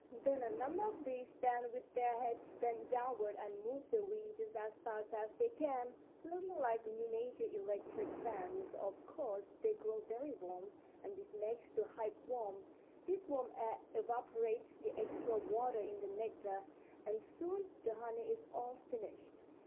"Then a number of bees stand with their heads bent downward and move their wings just as fast as they can, looking like miniature electric fans. Of course they grow very warm, and this makes the hive warm. This warm air evaporates the extra water in the nectar, and soon the honey is all finished.